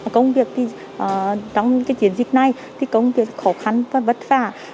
công việc thì trong chiến dịch này thì công việc khó khăn và vất vả